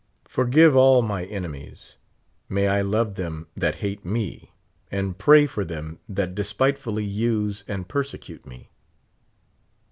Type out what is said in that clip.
Forgive all my enemies. May I love them that hate me, and pray for them that despitefully use and i)ersecute me.